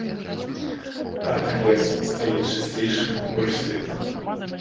Так лес стае чысцейшым і больш светлым.